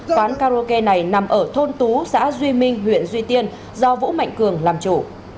quán karaoke này nằm ở thôn tú xã duy minh huyện duy tiên do vũ mạnh cường làm chủ